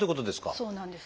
そうなんです。